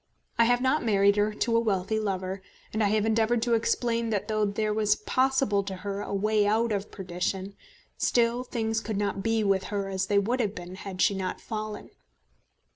I have not married her to a wealthy lover, and I have endeavoured to explain that though there was possible to her a way out of perdition, still things could not be with her as they would have been had she not fallen.